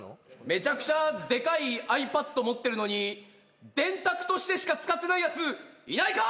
めちゃくちゃでかいｉＰａｄ持ってるのに電卓としてしか使ってないやついないか？